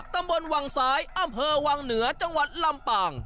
ตำบลวังซ้ายอำเภอวังเหนือจังหวัดลำปาง